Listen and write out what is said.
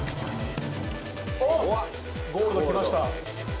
うわ、ゴールドきました。